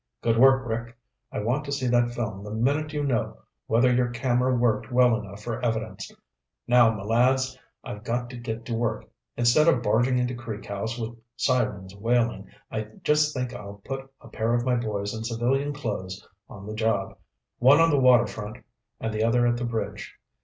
"Good work, Rick. I want to see that film the minute you know whether your camera worked well enough for evidence. Now, m'lads, I've got to get to work. Instead of barging into Creek House with sirens wailing, I just think I'll put a pair of my boys in civilian clothes on the job, one on the water front and the other at the bridge.